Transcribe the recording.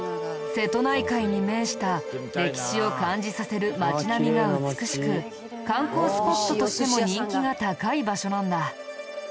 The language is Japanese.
瀬戸内海に面した歴史を感じさせる街並みが美しく観光スポットとしても人気が高い場所なんだ。